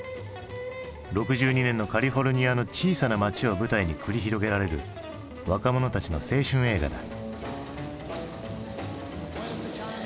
６２年のカリフォルニアの小さな街を舞台に繰り広げられる若者たちの青春映画だ。